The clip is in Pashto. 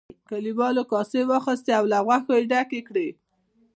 کليوالو کاسې واخیستې او له غوښو یې ډکې کړې.